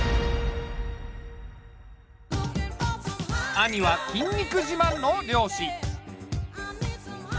兄は筋肉じまんの漁師。